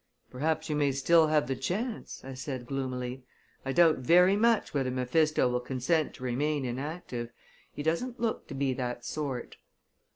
"Perhaps you may still have the chance," I said gloomily. "I doubt very much whether Mephisto will consent to remain inactive. He doesn't look to be that sort."